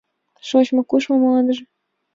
Шочмо-кушмо мландыже